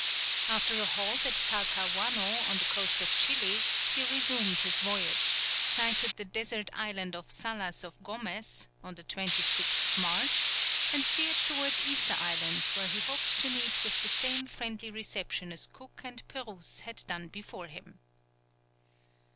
After a halt at Talcahuano, on the coast of Chili, he resumed his voyage; sighted the desert island of Salas of Gomez, on the 26th March, and steered towards Easter Island, where he hoped to meet with the same friendly reception as Cook and Pérouse had done before him.